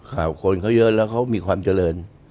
คนเขาเยอะแล้วเขามีความเจริญ